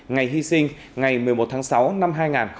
ngày hy sinh ngày một mươi một tháng sáu năm hai nghìn hai mươi